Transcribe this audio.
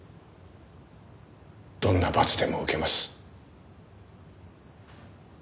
どんな罰でも受けます。